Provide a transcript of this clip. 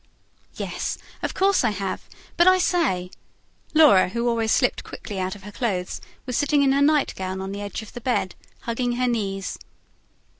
"Yes, of course I have. But I say" Laura, who always slipped quickly out of her clothes, was sitting in her nightgown on the edge of the bed, hugging her knees.